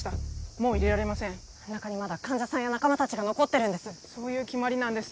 もう入れられません中にまだ患者さんや仲間達が残ってるんですそういう決まりなんです